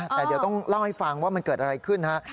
แต่เดี๋ยวต้องเล่าให้ฟังว่ามันเกิดอะไรขึ้นฮะ